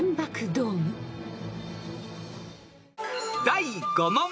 ［第５問］